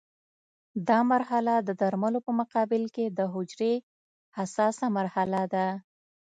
دا مرحله د درملو په مقابل کې د حجرې حساسه مرحله ده.